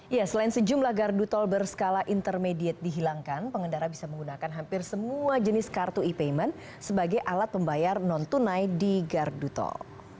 ya selain sejumlah gardu tol berskala intermediate dihilangkan pengendara bisa menggunakan hampir semua jenis kartu e payment sebagai alat pembayar non tunai di gardu tol